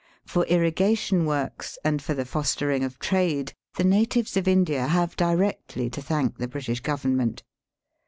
For irrigation works and for the fostering of trade the natives of India have directly to thank the British Government.